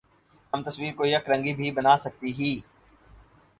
ہم تصویر کو یک رنگی بھی بنا سکتے ہی